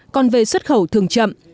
còn về xuất khẩu thường chậm